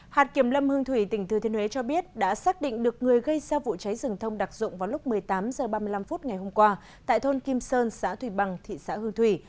hạt kiểm lâm hương thủy tỉnh thừa thiên huế cho biết đã xác định được người gây ra vụ cháy rừng thông đặc dụng vào lúc một mươi tám h ba mươi năm ngày hôm qua tại thôn kim sơn xã thủy bằng thị xã hương thủy